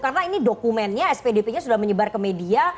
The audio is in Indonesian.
karena ini dokumennya spdp nya sudah menyebar ke media